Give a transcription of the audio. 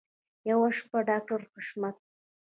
یوه شپه ډاکټر حشمت